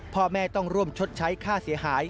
พ่อแม่ต้องร่วมชดใช้ค่าเสียหาย